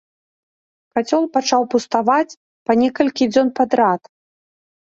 Кацёл пачаў пуставаць па некалькі дзён падрад.